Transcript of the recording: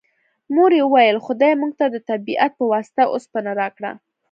مور یې وویل خدای موږ ته د طبیعت په واسطه اوسپنه راکړه